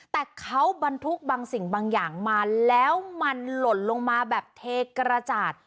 แต่เขาบรรทุกบางสิ่งบางอย่างมาแล้วมันหล่นลงมาแบบเทกระจาด